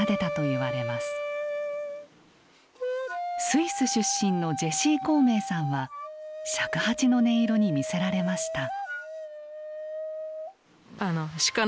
スイス出身のジェシー逅盟さんは尺八の音色に魅せられました。